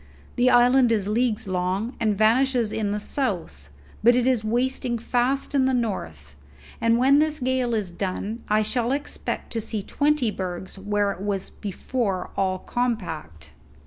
The island is leagues long, and vanishes in the south; but it is wasting fast in the north, and when this gale is done I shall expect to see twenty bergs where it was before all compact."